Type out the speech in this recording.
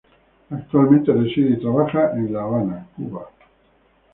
Actualmente reside y trabaja en La Habana, Cuba.